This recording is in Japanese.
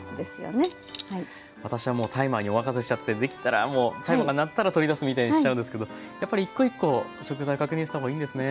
私はもうタイマーにお任せしちゃってできたらもうタイマーが鳴ったら取り出すみたいにしちゃうんですけどやっぱり１コ１コ食材を確認した方がいいんですね。